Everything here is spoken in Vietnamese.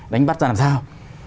đánh bắt ra làm sao